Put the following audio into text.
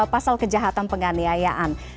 pasal kejahatan penganiayaan